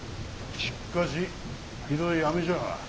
しかしひどい雨じゃ。